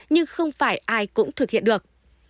nhưng không phải ai cũng thực hiện được